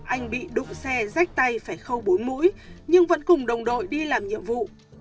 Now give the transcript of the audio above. anh bị đụng xe rách tay phải khâu bốn mũi nhưng vẫn cùng đồng đội đi làm nhiệm vụ